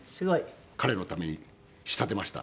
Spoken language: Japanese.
彼のために仕立てました。